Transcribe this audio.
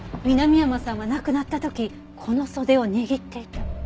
南山さんは亡くなった時この袖を握っていた。